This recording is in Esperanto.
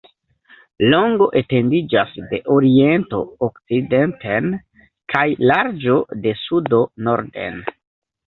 Longo etendiĝas de oriento okcidenten kaj larĝo de sudo norden.